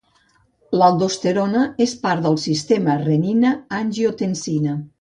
L'aldosterona és part del sistema renina-angiotensina.